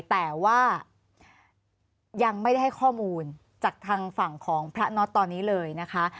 แต่ว่ายังไม่ได้ให้ข้อมูลจากทางฝั่งของพระน็อตตอนนี้เลยนะคะ